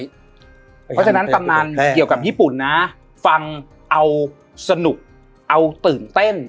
เพราะฉะนั้นตำนานเกี่ยวกับญี่ปุ่นนะฟังเอาสนุกเอาตื่นเต้น